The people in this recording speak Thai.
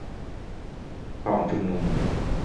ทองชุมนุม